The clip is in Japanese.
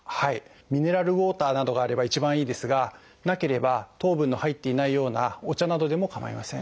ミネラルウォーターなどがあれば一番いいですがなければ糖分の入っていないようなお茶などでもかまいません。